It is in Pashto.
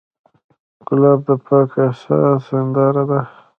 ګلاب د پاک احساس هنداره ده.